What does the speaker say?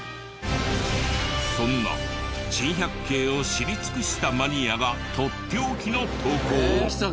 そんな珍百景を知り尽くしたマニアがとっておきの投稿を。